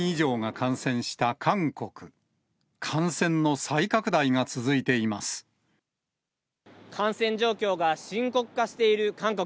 感染状況が深刻化している韓国。